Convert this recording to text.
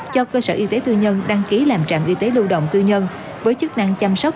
cho cơ sở y tế tư nhân đăng ký làm trạm y tế lưu động tư nhân với chức năng chăm sóc